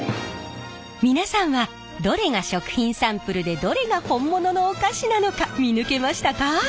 皆さんはどれが食品サンプルでどれが本物のお菓子なのか見抜けましたか？